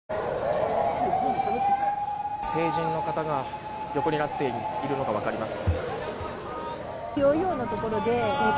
成人の方が横になっているのが分かります。